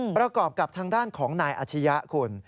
ประกอบกับทางด้านของนายอาชียะคุณ